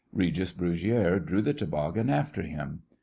Regis Brugiere drew the toboggan after him.